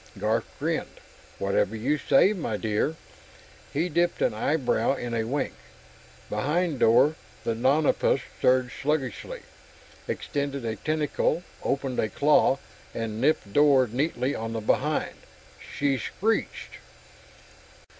Garf grinned. "Whatever you say, my dear." He dipped an eyebrow in a wink. Behind Dor, the nonapus stirred sluggishly, extended a tentacle, opened a claw, and nipped Dor neatly on the behind. She screeched.